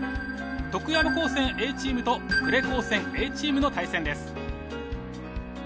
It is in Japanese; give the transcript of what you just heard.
徳山高専Ａチームと呉高専Ａチームの対戦です。